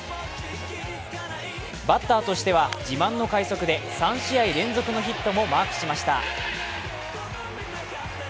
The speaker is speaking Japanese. バッターとしては、自慢の快足で３試合連続のヒットもマークしました。